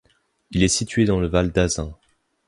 Il est situé dans le Val d'Azun.